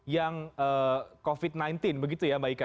yang covid sembilan belas begitu ya mbak ika